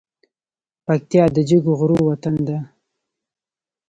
پکتیا د جګو غرو وطن ده .